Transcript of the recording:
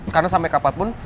karena sampai kapanpun